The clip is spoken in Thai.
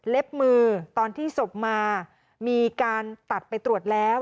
มือตอนที่ศพมามีการตัดไปตรวจแล้ว